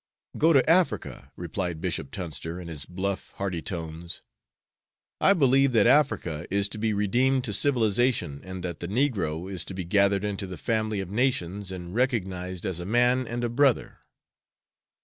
"Go to Africa," replied Bishop Tunster, in his bluff, hearty tones. "I believe that Africa is to be redeemed to civilization, and that the negro is to be gathered into the family of nations and recognized as a man and a brother."